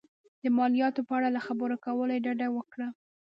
د مالیاتو په اړه له خبرو کولو یې ډډه وکړه.